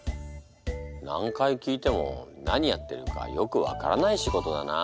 何回聞いても何やってるかよくわからない仕事だな。